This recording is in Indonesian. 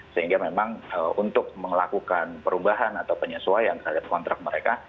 sehingga memang untuk melakukan perubahan atau penyesuaian terhadap kontrak mereka